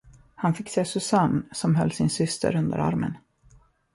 Han fick se Susanne, som höll sin syster under armen.